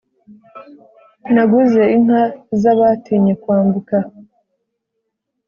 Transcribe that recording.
Naguze inka z'abatinye kwambuka